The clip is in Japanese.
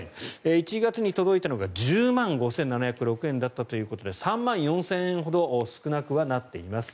１月に届いたのが１０万５７０６円だったということで３万４０００円ほど少なくはなっています。